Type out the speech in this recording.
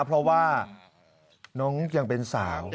เพราะว่าน้องยังเป็นสาว